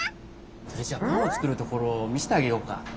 それじゃあパンを作るところを見せてあげようか。